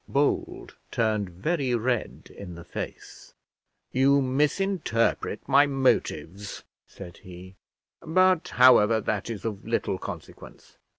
Bold turned very red in the face. "You misinterpret my motives," said he; "but, however, that is of little consequence.